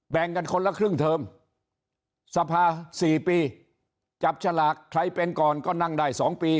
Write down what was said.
แบ่งกันคนละครึ่งเทอมสภา๔ปีจับฉลากใครเป็นก่อนก็นั่งได้๒ปี